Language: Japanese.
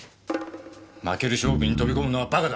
負ける勝負に飛び込むのはバカだ。